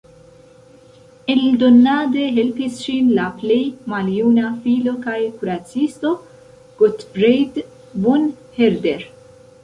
Eldonade helpis ŝin la plej maljuna filo kaj kuracisto Gottfried von Herder.